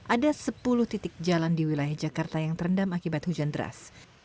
ada sepuluh titik jalan di wilayah jakarta yang terendam akibat hujan deras